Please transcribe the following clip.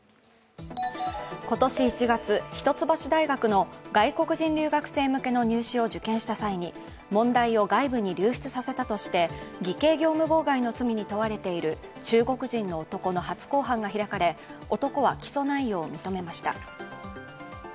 今年１月、一橋大学の外国人留学生向けの入試を受験した際に問題を外部に流出させたとして偽計業務妨害の罪に問われている中国人の男の初公判が開かれ男は起訴内容を認めました。